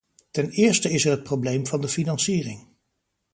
Ten eerste is er het probleem van de financiering.